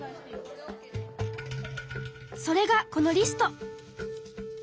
それがこのリスト。